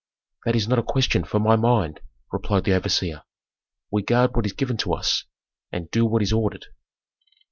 "That is not a question for my mind," replied the overseer. "We guard what is given to us, and do what is ordered."